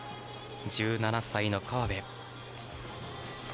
１７歳の河辺。